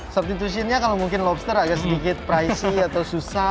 substitution nya kalau mungkin lobster agak sedikit pricy atau susah